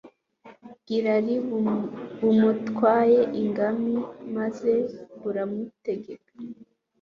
bw’irari bumutwaye ingamira, maze buramutegeka,